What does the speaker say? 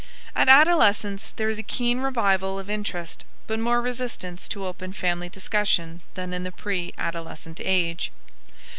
At adolescence there is a keen revival of interest but more resistance to open family discussion than in the pre adolescent age.